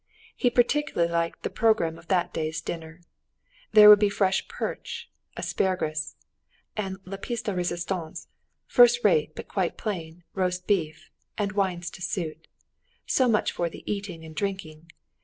He particularly liked the program of that day's dinner. There would be fresh perch, asparagus, and la pièce de resistance—first rate, but quite plain, roast beef, and wines to suit: so much for the eating and drinking.